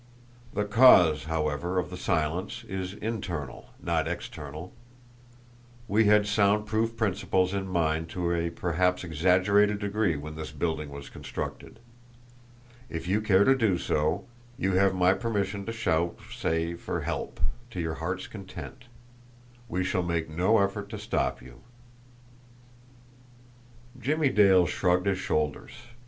The cause, however, of the silence is internal, not external; we had sound proof principles in mind to a perhaps exaggerated degree when this building was constructed. If you care to do so, you have my permission to shout, say, for help, to your heart's content. We shall make no effort to stop you." Jimmie Dale shrugged his shoulders.